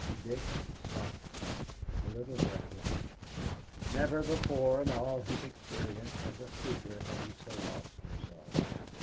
Dick stopped, a little breathless. Never before in all his experience as a speaker had he so lost himself.